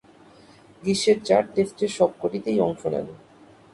গ্রীষ্মের চার টেস্টের সবকটিতেই অংশ নেন।